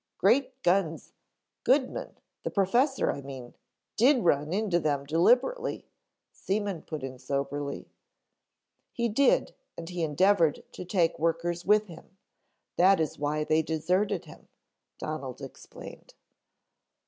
"Great guns, Goodman, the professor I mean, did run into them deliberately " Seaman put in soberly. "He did and he endeavored to take workers with him. That is why they deserted him," Donald explained.